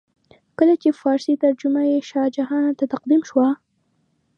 کله چې فارسي ترجمه یې شاه جهان ته تقدیم شوه.